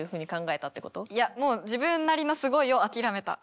いやもう「自分なりのすごい」を諦めた。